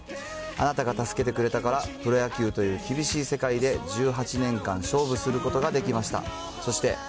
あなたが助けてくれたから、プロ野球という厳しい世界で、１８年間勝負することができました。